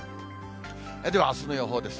ではあすの予報です。